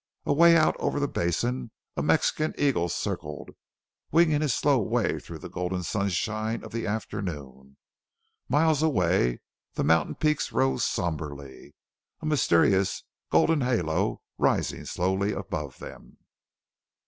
Away out over the basin a Mexican eagle circled, winging his slow way through the golden sunshine of the afternoon. Miles away the mountain peaks rose somberly, a mysterious, golden halo rising slowly above them.